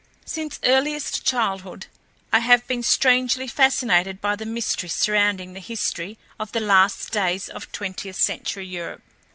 Since earliest childhood I have been strangely fascinated by the mystery surrounding the history of the last days of twentieth century Europe.